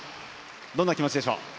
どんな気持ちでしょう？